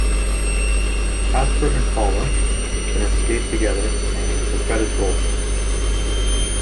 Casper and Paula then escape together and the credits roll.